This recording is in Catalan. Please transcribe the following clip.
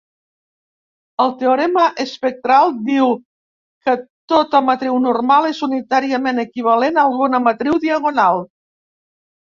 El teorema espectral diu que tota matriu normal és unitàriament equivalent a alguna matriu diagonal.